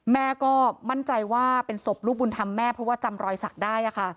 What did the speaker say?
แม่ก็มั่นใจว่าเป็นศพลูกบุญธรรมแม่เพราะว่าจำรอยสักได้